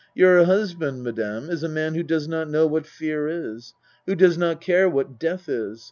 " Your husband, Madame, is a man who does not know what fear is who does not care what death is.